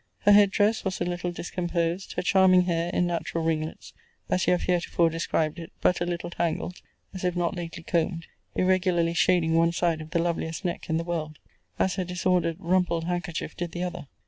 Her head dress was a little discomposed; her charming hair, in natural ringlets, as you have heretofore described it, but a little tangled, as if not lately combed, irregularly shading one side of the loveliest neck in the world; as her disordered rumpled handkerchief did the other.